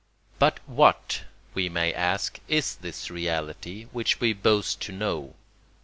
] But what, we may ask, is this reality, which we boast to know?